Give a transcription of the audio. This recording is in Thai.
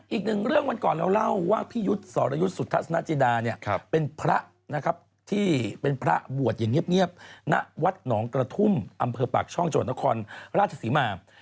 อีกหนึ่งเรื่องวันก่อนเราเล่าว่าพี่ยุทธ์สรยุทธ์สุทัศนจิดาเนี่ยเป็นพระนะครับที่เป็นพระบวชอย่างเงียบณวัดหนองกระทุ่มอำเภอปากช่องจังหวัดนครราชศรีมา